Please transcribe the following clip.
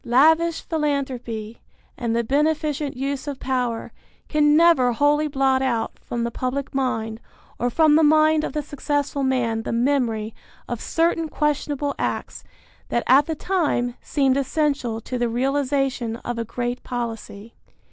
Lavish philanthropy and the beneficent use of power can never wholly blot out from the public mind or from the mind of the successful man the memory of certain questionable acts that at the time seemed essential to the realization of a great policy.